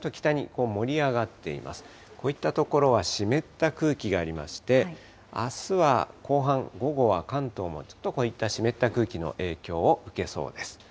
こういった所は湿った空気がありまして、あすは後半、午後は関東もちょっとこういった湿った空気の影響を受けそうです。